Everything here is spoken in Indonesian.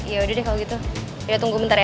ya udah deh kalau gitu ya tunggu bentar ya